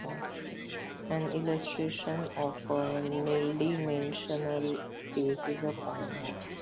An illustration of a nildimensional space is a point.